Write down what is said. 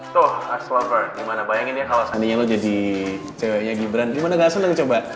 tuh akslover gimana bayangin ya kalo seandainya lo jadi ceweknya gibran gimana gak asal nang coba